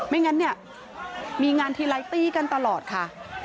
ไม่งั้นเนี่ยมีงานทีไรตี้กันตลอดค่ะ